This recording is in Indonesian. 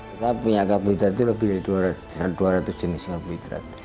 kita punya akar buidrat itu lebih dari dua ratus jenis akar buidrat